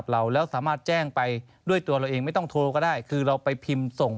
เราเจ้งว่าต้องให้ทุกคนร่วมกัน